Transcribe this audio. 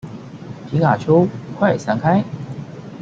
皮卡丘，快閃開